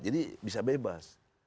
jadi bisa bebas